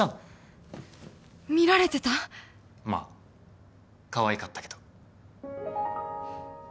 まあかわいかったけど。